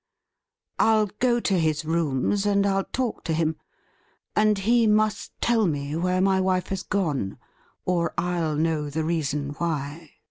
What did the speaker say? ' I'll go to his rooms, and I'll talk to him, and he must tell me where my wife has gone, or I'll know the reason why.'